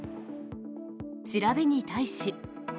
調べに対し。